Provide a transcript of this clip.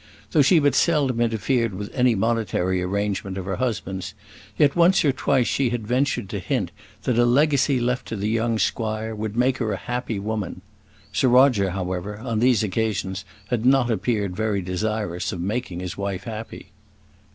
Though she but seldom interfered with any monetary arrangement of her husband's, yet once or twice she had ventured to hint that a legacy left to the young squire would make her a happy woman. Sir Roger, however, on these occasions had not appeared very desirous of making his wife happy.